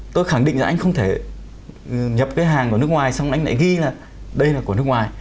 tôi khẳng định là anh không thể nhập cái hàng của nước ngoài xong anh lại ghi là đây là của nước ngoài